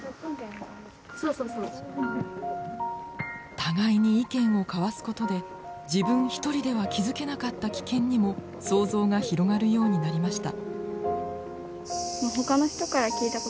互いに意見を交わすことで自分一人では気付けなかった危険にも想像が広がるようになりました。